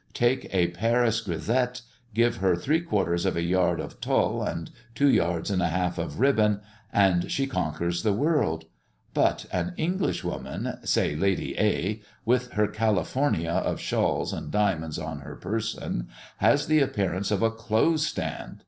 Take a Paris grisette, give her three quarters of a yard of tulle and two yards and a half of ribbon, and she conquers the world; but an English woman say Lady A. with her California of shawls and diamonds on her person, has the appearance of a clothes' stand.